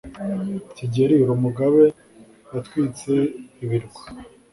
kigeli uri umugabe watwitse ibirwa